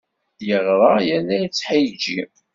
Yeɣra yerna yettḥeǧǧi!